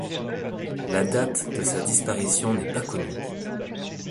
La date de sa disparition n'est pas connue.